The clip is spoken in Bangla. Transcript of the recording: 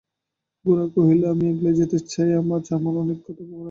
গোরা কহিল, আমি একলাই যেতে চাই, আমার আজ অনেক কথা ভাববার আছে।